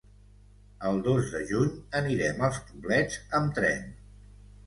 El dos de juny anirem als Poblets amb tren.